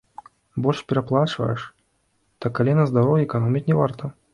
Больш пераплачваеш, так, але на здароўі эканоміць не варта.